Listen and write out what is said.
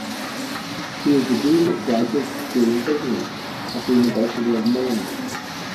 He is the Dean of Graduate School of Business at The University of Maine.